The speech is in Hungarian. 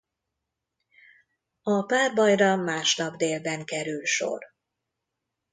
A párbajra másnap délben kerül sor.